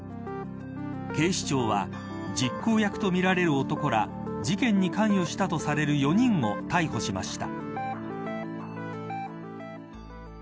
警視庁は実行役とみられる男ら事件に関与したとされる４人を逮捕しました。